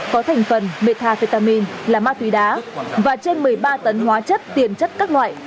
có thành phần metafetamine là ma túy đá và trên một mươi ba tấn hóa chất tiền chất các loại